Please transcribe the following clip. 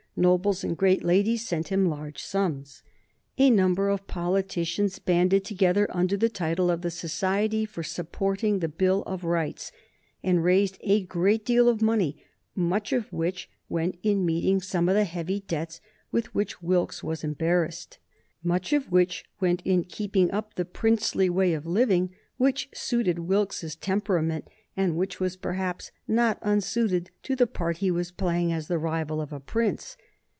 Nobles and great ladies sent him large sums. A number of politicians banded together under the title of the Society for Supporting the Bill of Rights, and raised a great deal of money, much of which went in meeting some of the heavy debts with which Wilkes was embarrassed, much of which went in keeping up the princely way of living which suited Wilkes's temperament, and which was perhaps not unsuited to the part he was playing as the rival of a prince.